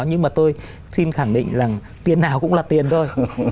nhưng mà tôi xin khẳng định rằng tiền nào cũng là tiền thôi